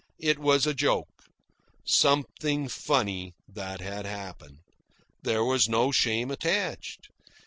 It was a joke, something funny that had happened. There was no shame attached.